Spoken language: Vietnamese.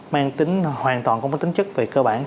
mang tính hoàn toàn không có tính chất về cơ bản